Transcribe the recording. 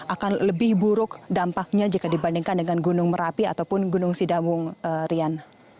akan lebih buruk dampaknya jika dibandingkan dengan gunung merapi ataupun gunung sidawung rian